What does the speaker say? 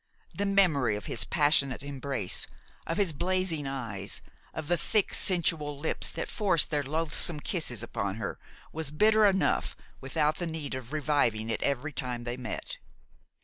The memory of his passionate embrace, of his blazing eyes, of the thick sensual lips that forced their loathsome kisses upon her, was bitter enough without the need of reviving it each time they met.